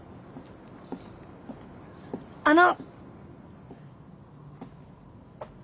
あの！